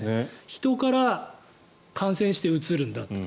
人から感染してうつるんだと。